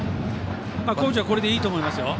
高知はこれでいいと思いますよ。